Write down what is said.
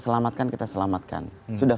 selamatkan kita selamatkan sudah